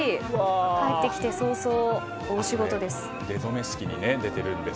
帰ってきて早々、大忙しです。